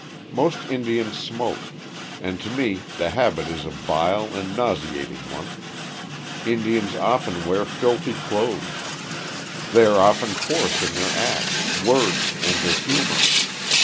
Most Indians smoke, and to me the habit is a vile and nauseating one. Indians often wear filthy clothes. They are often coarse in their acts, words, and their humor.